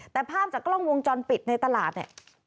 แต่ภาพจากกล้องวงจรปิดในตลาดเนี่ย